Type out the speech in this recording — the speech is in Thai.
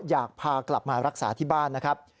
อยากพากลับมารักษาที่บ้านนะครับ